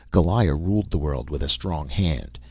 Goliah ruled the world with a strong hand.